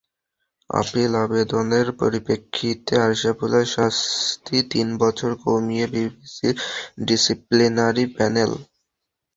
Appeal আবেদনের পরিপ্রেক্ষিতে আশরাফুলের শাস্তি তিন বছর কমিয়েছে বিসিবির ডিসিপ্লিনারি প্যানেল।